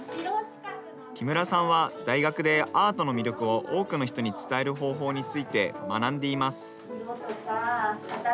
木村さんは大学でアートの魅力を多くの人に伝える方法について学んでいます。